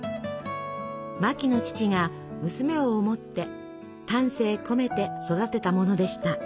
マキの父が娘を思って丹精込めて育てたものでした。